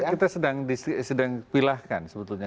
kita sedang dipilahkan sebetulnya